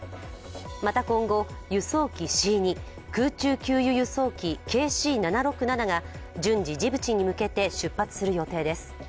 また今後輸送機Ｃ−２空中給油・輸送機ＫＣ−７６７が順次ジブチに向けて出発する予定です。